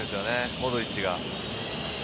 モドリッチが。